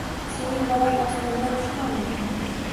Sening bolang osmondan tushganmi?